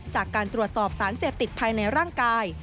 จากการตรวจสอบสารเสพติดภายในร่างกาย